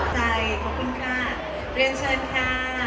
ใจขอบคุณค่ะเรียนเชิญค่ะ